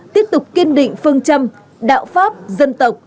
tiếp tục kiên định phương châm đạo pháp dân tộc